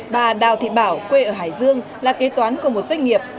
bà đào thị bảo quê ở hải dương là kế toán của một doanh nghiệp